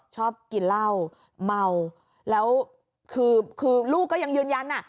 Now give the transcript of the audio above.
ชอบกินเหล้าเมาแล้วคือคือลูกก็ยังยืนยันอ่ะ